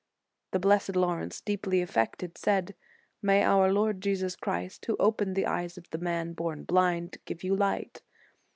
The blessed Laurence, deeply affected, said: "May our Lord Jesus Christ, who opened the eyes of the man born blind, give you light."